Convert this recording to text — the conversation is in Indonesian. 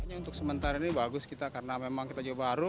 untuk sementara ini bagus kita karena memang kita jauh baru